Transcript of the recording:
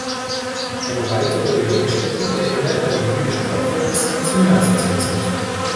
Eine weitere Gedenkstätte erinnert an die jüdischen Opfer des Nationalsozialismus.